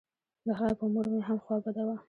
د هغه په مور مې هم خوا بده وه.